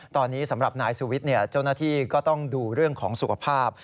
ตอนนี้สำหรับนายสุวิทย์เจ้าหน้าที่ก็ต้องดูเรื่องของสุขภาพ